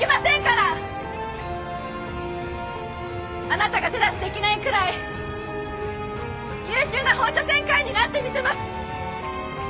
あなたが手出しできないくらい優秀な放射線科医になってみせます